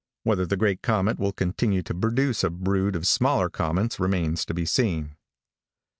Whether the great comet will continue to produce a brood of smaller comets remains to be seen."